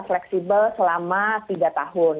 flexible selama tiga tahun